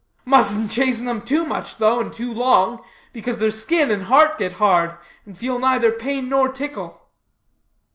"Mustn't chasten them too much, though, and too long, because their skin and heart get hard, and feel neither pain nor tickle."